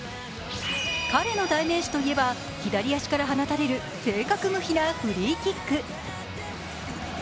彼の代名詞といえば左足から放たれる正確無比なフリーキック。